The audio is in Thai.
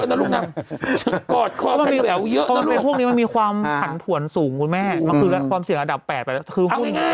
อันนี้ความเสี่ยงเยอะใช่